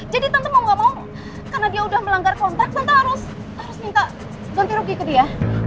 jadi tante mau gak mau karena dia udah melanggar kontak tante harus minta ganti rugi ke dia